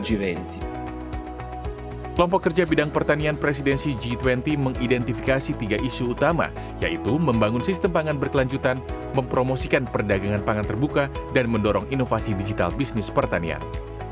kelompok kerja bidang pertanian presidensi g dua puluh mengidentifikasi tiga isu utama yaitu membangun sistem pangan berkelanjutan mempromosikan perdagangan pangan terbuka dan mendorong inovasi digital bisnis pertanian